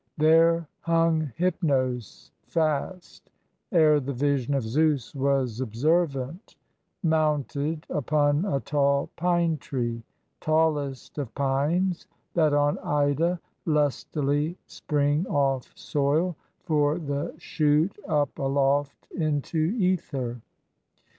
There hung Hypnos fast, ere the vision of Zeus was observant, Mounted upon a tall pine tree, tallest of pines that on Ida Lustily spring off soil for the shoot up aloft into aether.